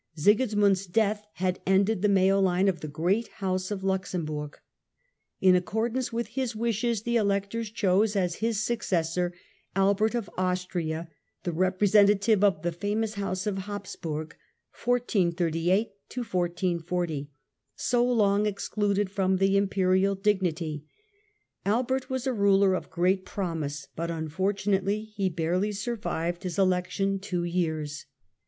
Sigismund's death had ended the male line of the great house of Luxemburg. In accordance with Albert ii., ,..,,^,,.■* n ^1438 40 his Wishes, the Electors chose as his successor Albert of Austria, the representative of the famous house of Habsburg, so long excluded from the Imperial dignity. Albert was a ruler of great promise, but unfortunately he barely survived his election two years.